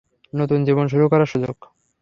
নতুন জীবন শুরু করার সুযোগ।